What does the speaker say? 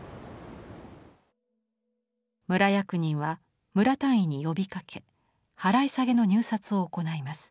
村役人は村単位に呼びかけ払い下げの入札を行います。